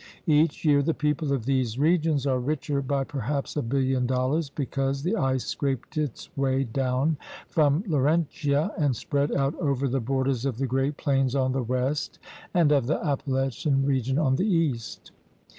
Each year the people of these regions are richer by perhaps a billion dollars because the ice scraped its way down from Laurentia and spread out over the borders of the great plains on the west and of the Appalachian region on the east.